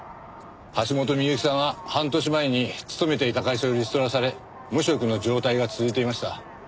橋本美由紀さんは半年前に勤めていた会社をリストラされ無職の状態が続いていました。